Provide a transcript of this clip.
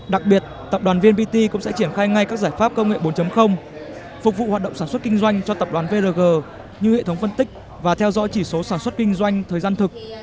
đặc biệt tập đoàn vnpt cũng sẽ triển khai ngay các giải pháp công nghệ bốn phục vụ hoạt động sản xuất kinh doanh cho tập đoàn vrg như hệ thống phân tích và theo dõi chỉ số sản xuất kinh doanh thời gian thực